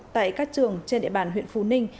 tại các trường trên địa bàn huyện phú ninh